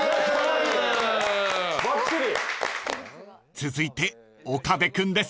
［続いて岡部君です］